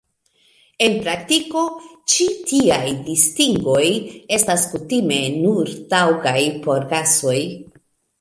En praktiko, ĉi tiaj distingoj estas kutime nur taŭgaj por gasoj.